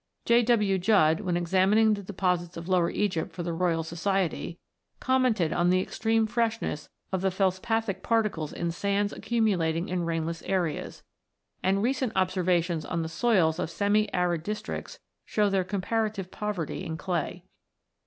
J. W. Judd, when examining the deposits of Lower Egypt for the Royal Society, commented on the extreme freshness of the felspathic particles in sands accumulating in rainless areas, and recent observations on the soils of semi arid districts show their comparative poverty in clay.